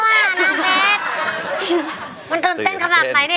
มันตื่นเต้นขนาดไหนเนี่ย